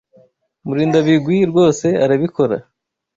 Murindabigwi rwose arabikora.